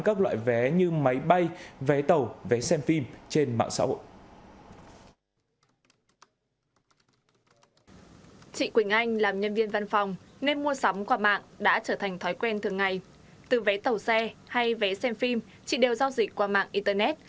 các loại vé hay vé xem phim chỉ đều giao dịch qua mạng internet